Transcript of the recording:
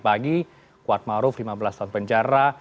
pagi pagi kuat maruf lima belas tahun penjara